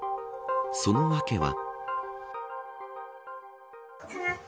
その訳は。